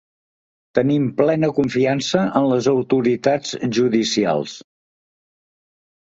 Tenim plena confiança en les autoritats judicials.